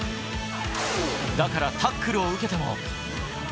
だから、タックルを受けても。